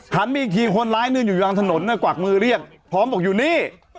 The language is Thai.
หันมีอีกทีคนร้ายหนึ่งอยู่ด้านถนนกวักมือเรียกพร้อมบอกอยู่นี่